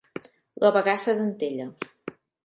La bagassa d'Antella.